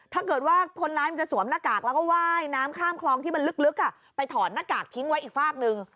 ถ้าเกิดว่าคนร้ายมันจะสวมหน้ากากแล้วก็ว่ายน้ำข้ามคลองที่มันลึกไปถอดหน้ากากทิ้งไว้อีกฝากหนึ่ง